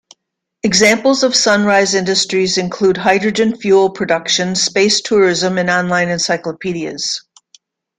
Examples of sunrise industries include hydrogen fuel production, space tourism, and online encyclopedias.